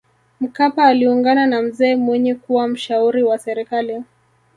mkapa aliungana na mzee mwinyi kuwa mshauri wa serikali